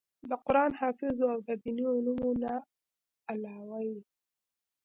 د قران حافظ وو او د ديني علومو نه علاوه ئې